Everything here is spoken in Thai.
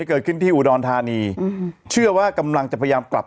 เกิดขึ้นที่อุดรธานีอืมเชื่อว่ากำลังจะพยายามกลับ